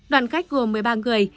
đoàn khách gồm một mươi ba người